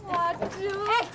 eh kejadian waduh